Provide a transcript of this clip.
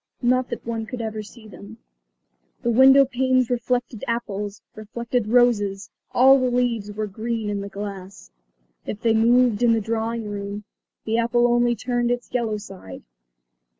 Not that one could ever see them. The window panes reflected apples, reflected roses; all the leaves were green in the glass. If they moved in the drawing room, the apple only turned its yellow side.